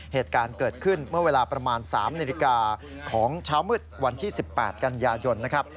เหตุการณ์เกิดขึ้นเมื่อเวลาประมาณ๓นาฬิกาของเช้ามืดวันที่๑๘กันยายนนะครับ